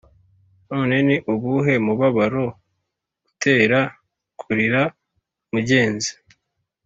'none ni ubuhe mubabaro utera kurira, mugenzi?